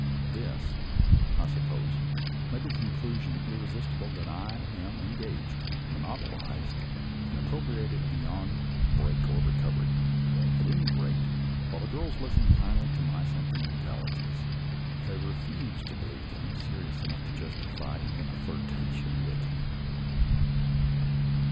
This, I suppose, made the conclusion irresistible that I am engaged, monopolized, and appropriated beyond break or recovery; at any rate, while the girls listen kindly to my senti mentalities, they refuse to believe them serious enough to justify even a flirtation with me.